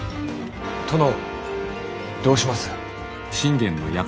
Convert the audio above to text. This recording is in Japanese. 殿どうします？